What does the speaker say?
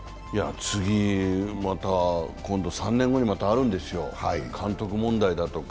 次、また今度３年後にあるんですよ、監督問題だとか。